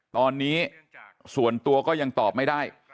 ตอนนี้ส่วนตัวก็ยังตอบไม่ได้